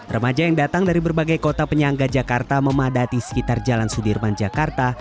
remaja yang datang dari berbagai kota penyangga jakarta memadati sekitar jalan sudirman jakarta